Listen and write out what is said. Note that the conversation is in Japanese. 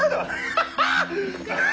ハハハ！